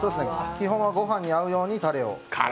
基本はご飯に合うようにたれを。